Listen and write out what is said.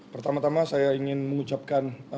pertama tama saya ingin mengucapkan